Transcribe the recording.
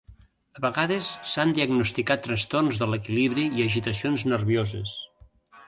A vegades s'han diagnosticat trastorns de l'equilibri i agitacions nervioses.